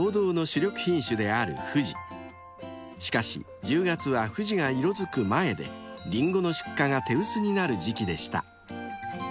［しかし１０月はふじが色づく前でリンゴの出荷が手薄になる時期でした］